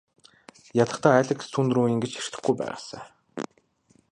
Ядахдаа Алекс түүнрүү ингэж ширтэхгүй байгаасай.